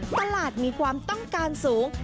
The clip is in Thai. ตลาดมีความต้องการสูง